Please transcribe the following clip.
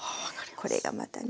これがまたね